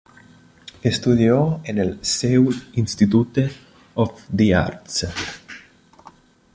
Estudió en el Seoul Institute of the Arts.